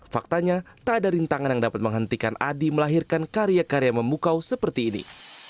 faktanya tak ada rintangan yang dapat menghentikan adi melahirkan karya karya memukau seperti ini